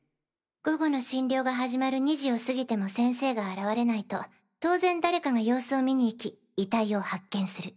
午後の診療が始まる２時を過ぎても先生が現れないと当然誰かが様子を見に行き遺体を発見する。